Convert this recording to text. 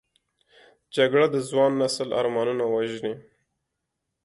جګړه د ځوان نسل ارمانونه وژني